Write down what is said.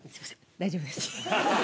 大丈夫です。